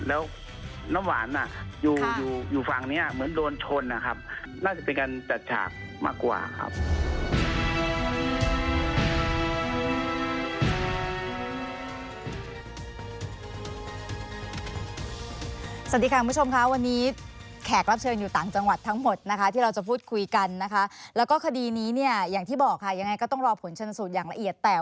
แล้วน้ำหวานอยู่ฝั่งนี้เหมือนโดนชนนะครับ